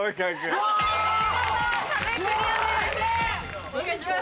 判定お願いします。